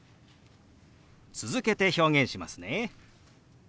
続けて表現しますね。